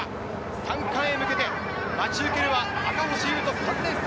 三冠へ向けて、待ち受けるのは、赤星雄斗、３年生。